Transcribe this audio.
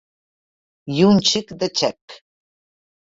I un xic de xec.